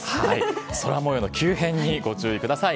空もようの急変にご注意ください。